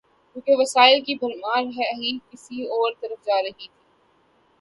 کیونکہ وسائل کی بھرمار ہی کسی اور طرف جا رہی تھی۔